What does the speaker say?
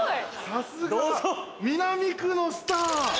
さすが南区のスター。